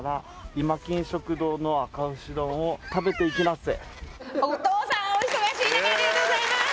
「いまきん食堂のあか牛丼を食べていきなっせ！」